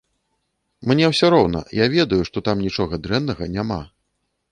Мне ўсё роўна, я ведаю, што там нічога дрэннага няма.